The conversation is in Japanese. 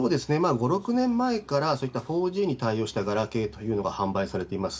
５、６年前から、そういった４Ｇに対応したガラケーというのが販売されています。